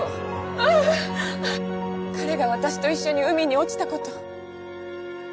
ああ彼が私と一緒に海に落ちたこと。